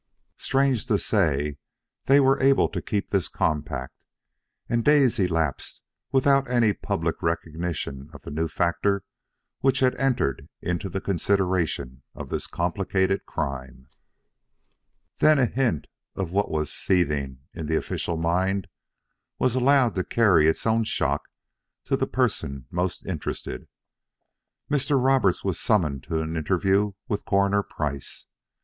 Strange to say, they were able to keep this compact, and days elapsed without any public recognition of the new factor which had entered into the consideration of this complicated crime. Then a hint of what was seething in the official mind was allowed to carry its own shock to the person most interested. Mr. Roberts was summoned to an interview with Coroner Price.